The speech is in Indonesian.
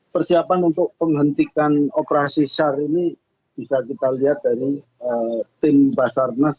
persiapan untuk penghentikan operasi sar ini bisa kita lihat dari tim basarnas